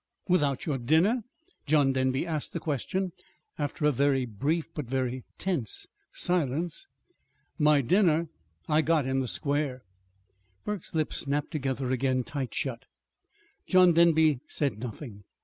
"Without your dinner?" John Denby asked the question after a very brief, but very tense, silence. "My dinner I got in the square." Burke's lips snapped together again tight shut. John Denby said nothing.